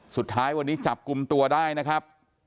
สุดท้ายวันนี้จับกลุ่มตัวได้นะครับ